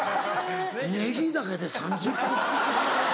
「ネギだけで３０分」。